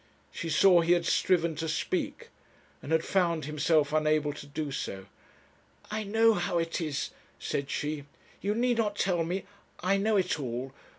She saw he had striven to speak, and had found himself unable to do so. 'I know how it is,' said she, 'you need not tell me; I know it all.